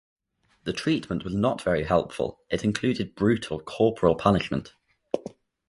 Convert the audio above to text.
The treatment was not very helpful-it included brutal corporal punishment.